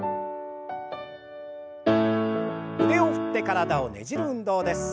腕を振って体をねじる運動です。